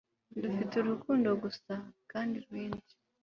dufite urukundo gusa kandi rwinshi